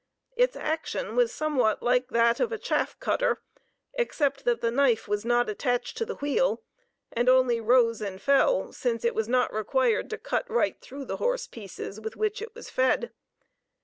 Its action was somewhat like that of a chaff cutter, except that the knife was not attached to the wheel, and only rose and fell, since it was not required to cut right through the "horse pieces" with which it was fed.